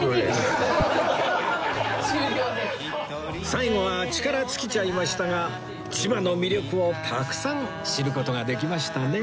最後は力尽きちゃいましたが千葉の魅力をたくさん知る事ができましたね